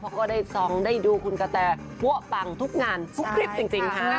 เพราะก็ได้ซองได้ดูคุณกะแต่พัวปังทุกงานทุกคลิปจริงค่ะ